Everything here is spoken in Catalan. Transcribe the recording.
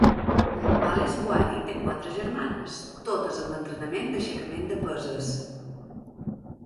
Malleswari té quatre germanes totes amb entrenament d'aixecament de peses.